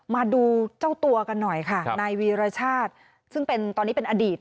มาดูเจ้าตัวกันหน่อยค่ะนายวีรชาติซึ่งเป็นตอนนี้เป็นอดีต